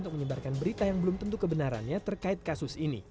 untuk menyebarkan berita yang belum tentu kebenarannya terkait kasus ini